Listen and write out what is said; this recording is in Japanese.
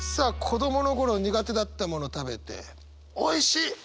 子どもの頃苦手だったもの食べておいしい！